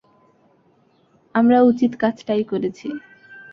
আমরা উচিৎ কাজটাই করেছি।